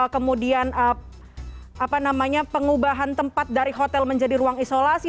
kemudian pengubahan tempat dari hotel menjadi ruang isolasi